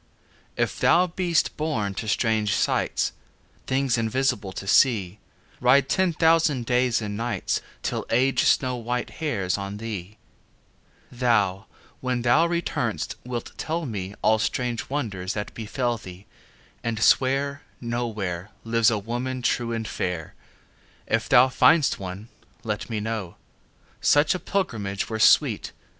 If thou be'st born to strange sights, Things invisible to see, Ride ten thousand days and nights Till Age snow white hairs on thee; Thou, when thou return'st wilt tell me All strange wonders that befell thee, And swear No where Lives a woman true and fair. If thou find'st one let me know; Such a pilgrimage were sweet.